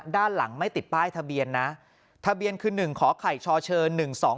ด้านหลังไม่ติดป้ายทะเบียนนะทะเบียนคือ๑ขอไข่ชเช๑๒๒